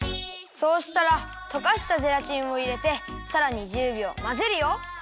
そうしたらとかしたゼラチンをいれてさらに１０びょうまぜるよ。